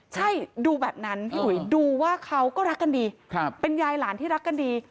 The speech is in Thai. ใช่ดูแบบนั้นพี่อุ๋ยดูว่าเขาก็รักกันดีเป็นยายหลานที่รักกันดี